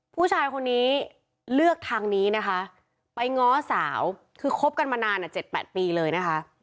ผู้ชายคนนี้เลือกทางนี้นะคะไปง้อสาวคือคบกันมานาน๗๘ปีเลยนะคะ